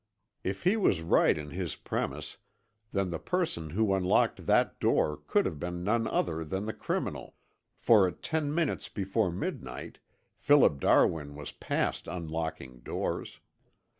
If he was right in his premise, then the person who unlocked that door could have been none other than the criminal, for at ten minutes before midnight Philip Darwin was past unlocking doors!